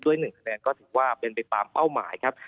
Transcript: ๑คะแนนก็ถือว่าเป็นไปตามเป้าหมายครับ